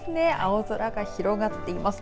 青空が広がっています。